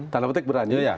tanah petik berani